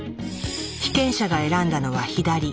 被験者が選んだのは左。